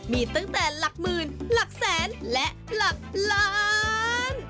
มีตั้งแต่ละหมื่นละแสนและละลาน